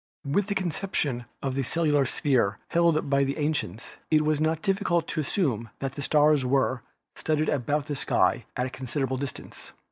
With the conception of the celestial sphere held by the ancients it was not difficult to assume that the stars were THE CONSTELLATIONS 265 studded about the sky at a considerable distance.